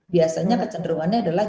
biasanya kecenderungannya adalah